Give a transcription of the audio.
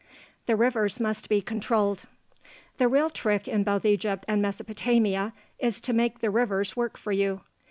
THE RIVERS MUST BE CONTROLLED The real trick in both Egypt and Mesopotamia is to make the rivers work for you.